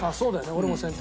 俺も先端。